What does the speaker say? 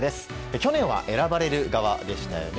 去年は選ばれる側でしたよね。